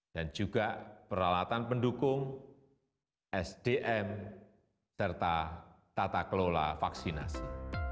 dan juga peralatan pendukung sdm serta tata kelola vaksinasi